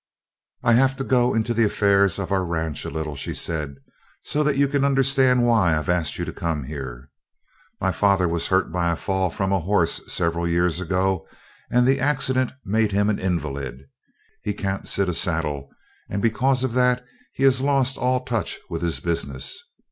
"I have to go into the affairs of our ranch a little," she said, "so that you can understand why I've asked you to come here. My father was hurt by a fall from a horse several years ago and the accident made him an invalid. He can't sit a saddle and because of that he has lost all touch with his business.